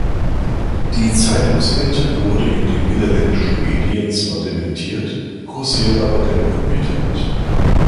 Die Zeitungsente wurde in den niederländischen Medien zwar dementiert, kursiert aber dennoch im Internet.